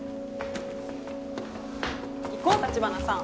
行こう橘さん。